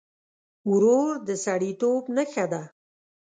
ورور د سړيتوب نښه ده.